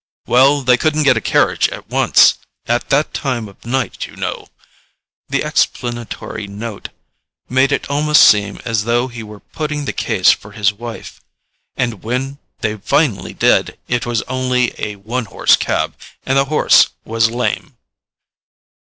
"Well, they couldn't get a carriage at once—at that time of night, you know—" the explanatory note made it almost seem as though he were putting the case for his wife—"and when they finally did, it was only a one horse cab, and the horse was lame!"